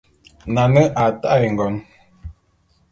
Nane a ta'e ngon.